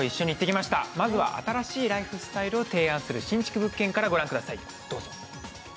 まずは新しいライフスタイルを提案する新築物件からご覧ください。